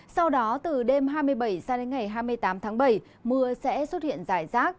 sau đó từ đêm hai mươi bảy sang đến ngày hai mươi tám tháng bảy mưa sẽ xuất hiện rải rác